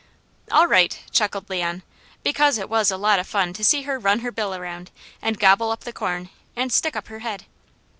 "All right!" chuckled Leon, because it was a lot of fun to see her run her bill around, and gobble up the corn, and stick up her head.